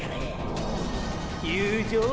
友情？